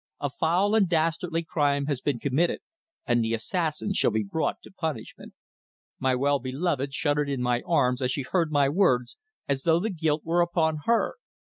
A foul and dastardly crime has been committed, and the assassin shall be brought to punishment." My well beloved shuddered in my arms as she heard my words as though the guilt were upon her.